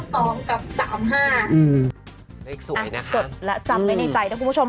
พร้อมกับสามห้าอืมเลขสวยนะครับจบแล้วจำไว้ในใจนะคุณผู้ชม